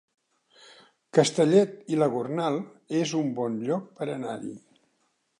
Castellet i la Gornal es un bon lloc per anar-hi